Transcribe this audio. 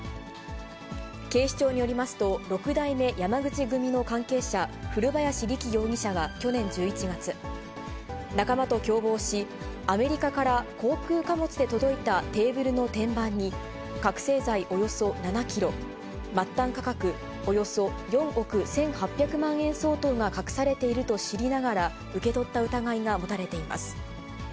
警視庁によりますと、六代目山口組の関係者、古林利貴容疑者は、去年１１月、仲間と共謀し、アメリカから航空貨物で届いたテーブルの天板に、覚醒剤およそ７キロ、末端価格およそ４億１８００万円相当が隠されていると知りながら、受け取った疑いが持たれています。